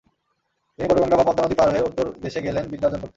তিনি “বড়গঙ্গা” বা পদ্মানদী পার হয়ে উত্তরদেশে গেলেন বিদ্যার্জন করতে।